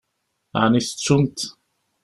Ɛni tettumt?